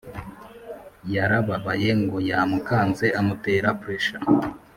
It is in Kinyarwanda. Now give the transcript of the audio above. Yarababaye ngo yamukanze amutera presha